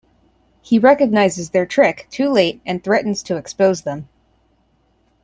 He recognizes their trick, too late, and threatens to expose them.